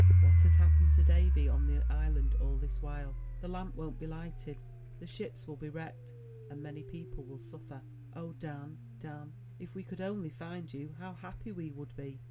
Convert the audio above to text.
"What has happened to Davy alone on the island all this while? The lamp won't be lighted, the ships will be wrecked, and many people will suffer. O Dan, Dan, if we could only find you, how happy we would be!"